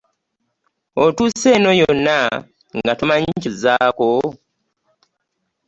Otuuse eno yonna nga tomanyi ky'ozzaako?